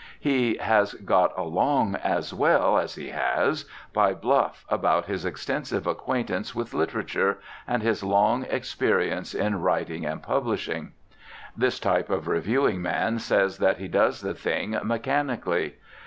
He has got along as well as he has, by bluff about his extensive acquaintance with literature, and his long experience in writing and publishing. This type of reviewing man says that he does the thing "mechanically."